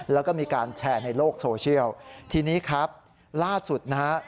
แล้วก็มีการแชร์ในโลกโซเชียลทีนี้ครับล่าสุดนะฮะ